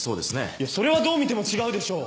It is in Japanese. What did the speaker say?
いやそれはどう見ても違うでしょう！